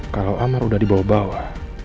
kalau amar udah dibawa bawa